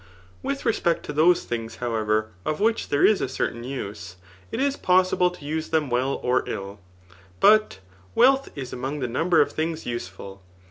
With respect to those things, however, of which there is a certain use, it is possible to use them well or ilk But wealth is among the number of things useful.